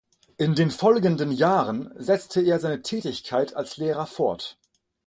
In den folgenden Jahren setzte er seine Tätigkeit als Lehrer fort.